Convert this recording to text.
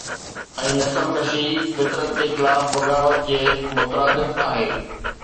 ۽ نسل ڪشي فطرت جي خلاف بغاوت جي مترادف آهي